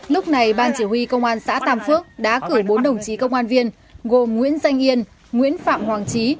lúc này ban chỉ huy công an xã tam phước đã cử bốn đồng chí công an viên gồm nguyễn danh yên nguyễn phạm hoàng trí